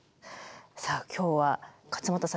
さあ今日は勝俣さん